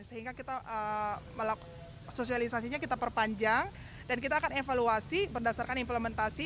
sehingga kita melakukan sosialisasinya kita perpanjang dan kita akan evaluasi berdasarkan implementasi